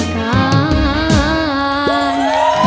การ